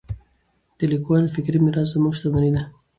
د لیکوالو فکري میراث زموږ شتمني ده.